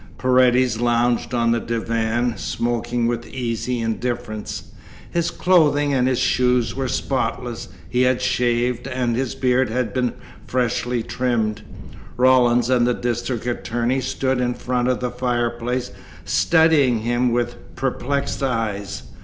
Paredes lounged on the divan, smoking with easy indifference. His clothing and his shoes were spotless. He had shaved, and his beard had been freshly trimmed. Rawlins and the district attorney stood in front of the fireplace, studying him with perplexed eyes.